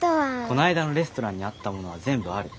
こないだのレストランにあったものは全部ある。